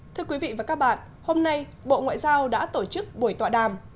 thưa quý vị và các bạn hôm nay bộ ngoại giao đã tổ chức buổi tọa đàm